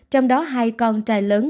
trong đó hai con trai lớn